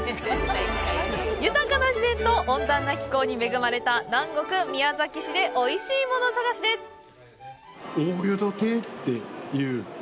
豊かな自然と温暖な気候に恵まれた南国・宮崎市で、おいしいもの探しです。